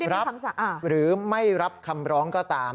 รับคำสะหรือไม่รับคำร้องก็ตาม